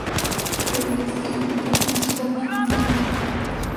Al este limita con la ciudad de Fernando de la Mora.